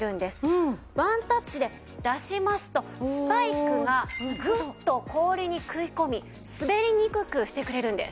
ワンタッチで出しますとスパイクがグッと氷に食い込み滑りにくくしてくれるんです。